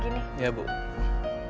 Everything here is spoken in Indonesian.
paling ngga ada kubawah kok kok ada kuda ya